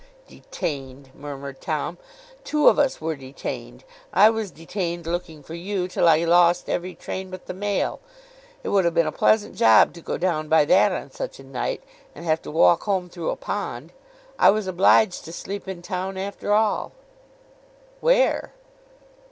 'Detained!' murmured Tom. 'Two of us were detained. I was detained looking for you, till I lost every train but the mail. It would have been a pleasant job to go down by that on such a night, and have to walk home through a pond. I was obliged to sleep in town after all.' 'Where?